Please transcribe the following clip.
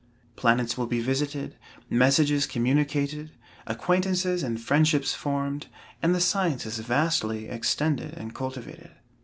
Planets will be visited, messages communicated, acquaintances and friendships formed, and the sciences vastly extended and cultivated.